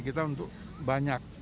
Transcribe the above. kita untuk banyak